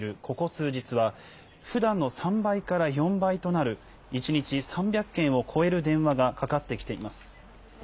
ここ数日は、ふだんの３倍から４倍となる１日３００件を超える電話がかかってきています。